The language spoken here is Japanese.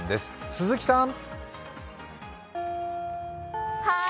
鈴木さーん。